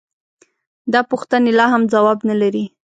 دا پوښتنې لا هم ځواب نه لري.